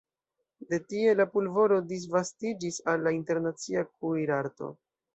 De tie la pulvoro disvastiĝis al la internacia kuirarto.